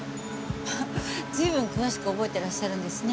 随分詳しく覚えてらっしゃるんですね。